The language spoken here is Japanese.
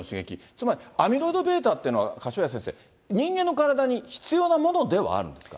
つまり、アミロイドβっていうのは、柏谷先生、人間の体に必要なものではあるんですか？